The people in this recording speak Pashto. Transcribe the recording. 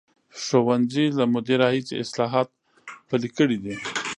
ښوونځي له مودې راهیسې اصلاحات پلي کړي دي.